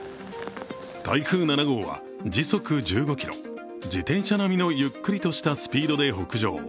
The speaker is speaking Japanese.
台風７号は時速１５キロ、自転車並みのゆっくりとしたスピードで北上。